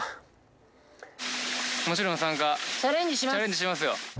もちろん参加チャレンジしますよ